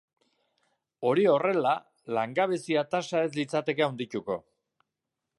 Hori horrela, langabezia-tasa ez litzateke handituko.